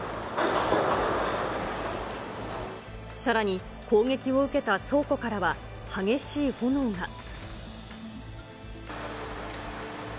さらに、攻撃を受けた倉庫からは、激しい炎が。